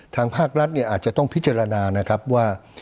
ทางภาครัฐเนี่ยอาจจะต้องพิจารณานะครับว่า